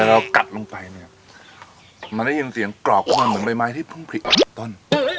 เวลาเรากัดลงไปเนี่ยมันได้ยินเสียงกรอกครอบคร่วงเหมือนใบไม้ที่พึ่งผลิกอดณต้น